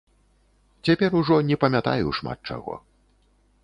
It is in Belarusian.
Цяпер ужо не памятаю шмат чаго.